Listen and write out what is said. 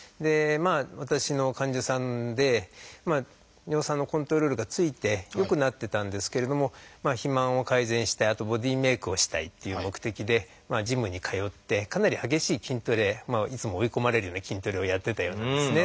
私の患者さんで尿酸のコントロールがついて良くなってたんですけれども肥満を改善してあとボディーメイクをしたいっていう目的でジムに通ってかなり激しい筋トレいつも追い込まれるような筋トレをやってたようなんですね。